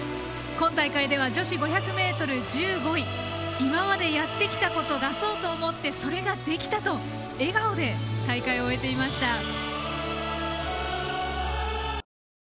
今大会では、女子５００ｍ１５位。今までやってきたことを出そうと思ってそれができたと笑顔で大会を終えていました。